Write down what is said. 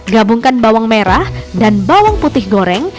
gabungkan bawang merah dan bawang putih goreng